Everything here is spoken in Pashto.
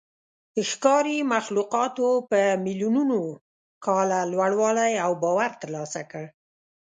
ښکاري مخلوقاتو په میلیونونو کاله لوړوالی او باور ترلاسه کړ.